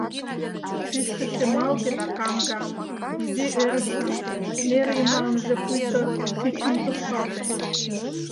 Тӱсшӧ шемалге да каҥга, изи ӧрышан, нер йымалныже пуйто шӱчым тушкалтен.